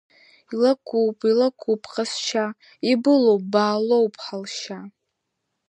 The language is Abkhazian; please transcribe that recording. Илакууп, илакууп бҟазшьа, ибылоуп Баалоу-ԥҳа лшьа.